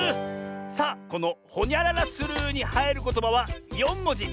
さあこの「ほにゃららする」にはいることばは４もじ。